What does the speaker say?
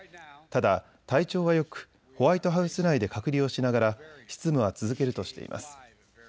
ただ体調はよくホワイトハウス内で隔離をしながら執務は続けるとしています。